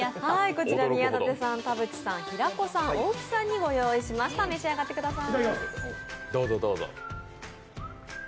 こちら宮舘さん、田渕さん、平子さん、大木さんにご用意しました、召し上がってください。